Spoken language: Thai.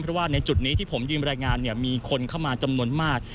เพราะว่าในจุดนี้ที่ผมยืมรายงานมีคนเข้ามาจำนวนมาก